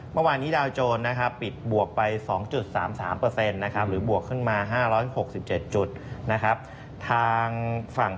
เรื่องเศรษฐกิจริงใช่ไหมในเอกดิจก็บวกมา๓บวกแรงด้วยนะ